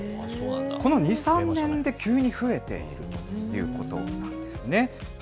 この２、３年で急に増えているということなんですね。